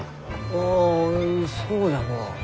ああそうじゃのう。